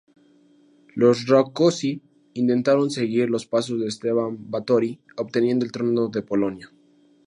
Los Rákóczi intentaron seguir los pasos de Esteban Báthory, obteniendo el trono de Polonia.